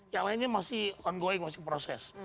yang lainnya masih ongoing masih proses